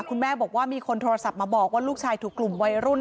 คุณแม่บอกว่ามีคนโทรศัพท์มาบอกว่าลูกชายถูกกลุ่มวัยรุ่น